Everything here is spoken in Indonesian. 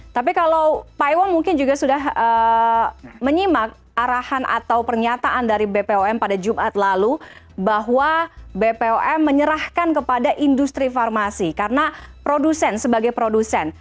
tapi kalau pak iwan mungkin juga sudah menyimak arahan atau pernyataan dari bpom pada jumat lalu bahwa bpom menyerahkan kepada industri farmasi karena produsen sebagai produsen